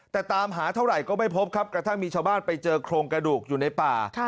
แต่ตามหาเท่าไหร่ก็ไม่พบครับกระทั่งมีชาวบ้านไปเจอโครงกระดูกอยู่ในป่า